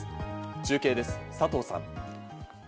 中継です、佐藤さん。